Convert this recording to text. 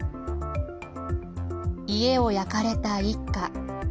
家を焼かれた一家。